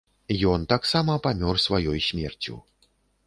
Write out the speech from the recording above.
Ён таксама памёр сваёй смерцю.